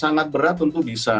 sangat berat tentu bisa